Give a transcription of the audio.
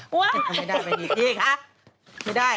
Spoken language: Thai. ดูอีกอ้ะกาลี่ดูอีกอายุ